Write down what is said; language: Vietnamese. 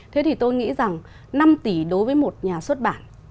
thế thì tôi nghĩ rằng năm tỷ đối với một nhà xuất bản